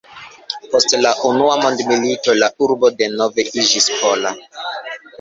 Post la Unua Mondmilito la urbo denove iĝis pola.